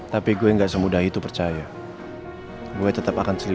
tapi gue gak semudah mudahan ngerasa bersalah sama elsa